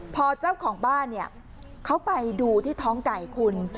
พอเจ้าของบ้านเขาไปดูที่ท้องไก่คุณ